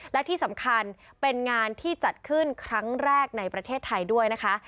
และที่สำคัญเป็นงานที่จัดขึ้นครั้งแรกในประเทศไทยด้วยนะคะ